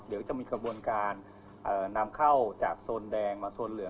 เดี๋ยวจะมีกระบวนการนำเข้าจากโซนแดงมาโซนเหลือง